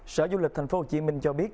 sở du lịch thành phố hồ chí minh cho biết